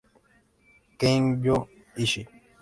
Kengo Ishii